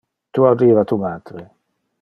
Tu audiva tu matre.